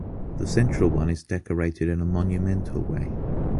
The central one is decorated in a monumental way.